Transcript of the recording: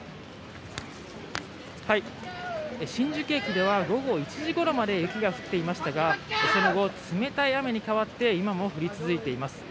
新宿駅では午後１時ごろまで雪が降っていましたがその後、冷たい雨に変わって今も降り続いています。